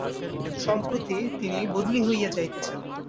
সম্প্রতি তিনি বদলি হইয়া যাইতেছেন।